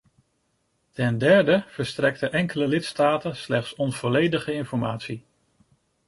Ten derde verstrekten enkele lidstaten slechts onvolledige informatie.